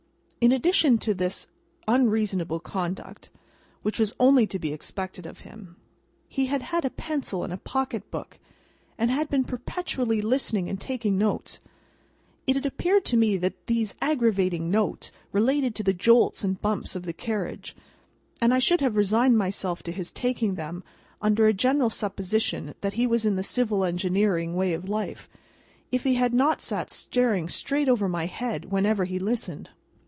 In addition to this unreasonable conduct (which was only to be expected of him), he had had a pencil and a pocket book, and had been perpetually listening and taking notes. It had appeared to me that these aggravating notes related to the jolts and bumps of the carriage, and I should have resigned myself to his taking them, under a general supposition that he was in the civil engineering way of life, if he had not sat staring straight over my head whenever he listened.